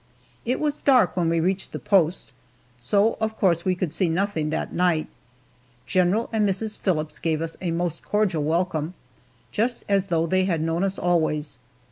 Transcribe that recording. It was dark when we reached the post, so of course we could see nothing that night. General and Mrs. Phillips gave us a most cordial welcome just as though they had known us always.